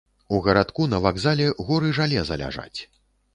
У гарадку на вакзале горы жалеза ляжаць.